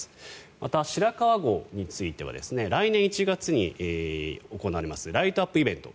また白川郷については来年１月に行われますライトアップイベント